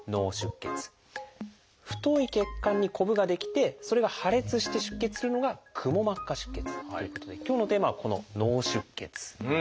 太い血管にこぶが出来てそれが破裂して出血するのが「くも膜下出血」ということで今日のテーマはこの「脳出血」なんです。